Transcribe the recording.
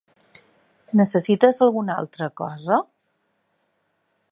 Necessites alguna altra cosa?